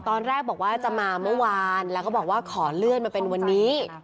ตอนแรกบอกว่าจะมาเมื่อวานแล้วก็บอกว่าขอเลื่อนมาเป็นวันนี้